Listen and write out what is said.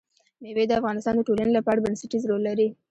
مېوې د افغانستان د ټولنې لپاره بنسټيز رول لري.